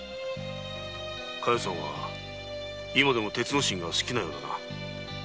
加代さんは今でも鉄之進が好きなようだな。